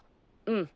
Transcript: うん。